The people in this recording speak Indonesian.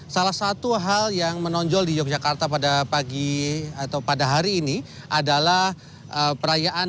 salah satu hal yang menonjol di yogyakarta pada hari ini adalah perayaan